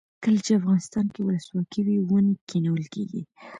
کله چې افغانستان کې ولسواکي وي ونې کینول کیږي.